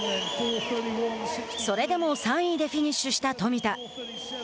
それでも３位でフィニッシュした富田。